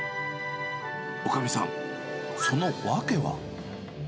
おかみさん、その訳は。